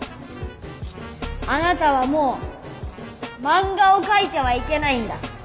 あなたはもう漫画を描いてはいけないんだ。